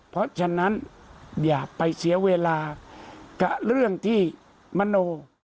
เพราะฉะนั้นอย่าไปเสียเวลากับเรื่องที่มโน